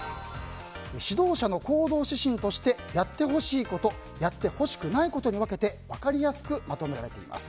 指導者の行動指針としてやってほしいことやってほしくないことを分けて分かりやすくまとめられています。